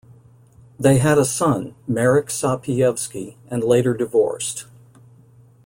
They had a son, Marek Sapieyevski, and later divorced.